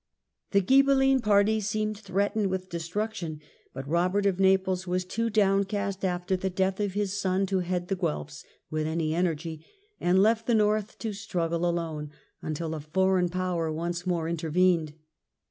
The Ghi belline party seemed threatened with destruction, but Robert of Naples was too downcast after the death of his son to head the Guelfs with any energy and left the North to struggle alone, until a foreign Power once more intervened.